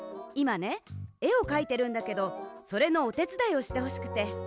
いまねえをかいてるんだけどそれのおてつだいをしてほしくて。